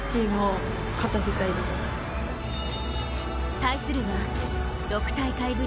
対するは６大会ぶり